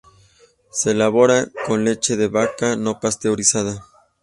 Se elabora con leche de vaca no pasteurizada.